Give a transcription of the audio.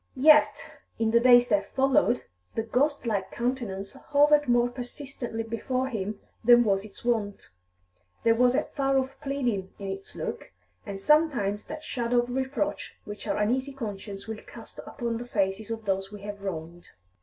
Yet, in the days that followed, the ghostlike countenance hovered more persistently before him than was its wont; there was a far off pleading in its look, and sometimes that shadow of reproach which our uneasy conscience will cast upon the faces of those we have wronged.